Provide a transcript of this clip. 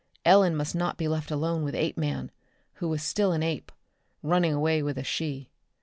Ellen must not be left alone with Apeman, who was still an ape, running away with a she.